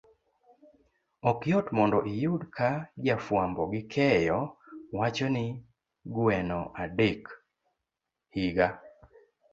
Ok yot mondo iyud ka ja fuambo gi keyo wacho ni gweno adek, higa